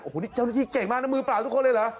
โอ้โหนี่เจ้าหน้าที่เก่งมากนะมือเปล่าทุกคนเลยเหรอ